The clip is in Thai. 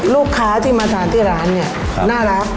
ลูกค้าที่มาทานที่ร้านเนี่ยน่ารัก